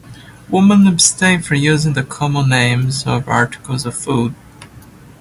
Women abstain from using the common names of articles of food.